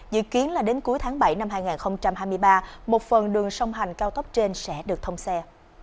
dự kiến là đến cuối tháng bảy năm hai nghìn hai mươi ba một phần đường sông hành cao tốc trên sẽ được thông xe